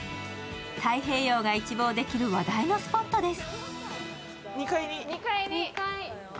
太平洋が一望できる話題のスポットです。